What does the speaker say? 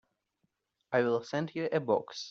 I'll send you a box.